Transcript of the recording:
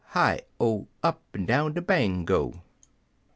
Hi 0! Up'n down de Bango!)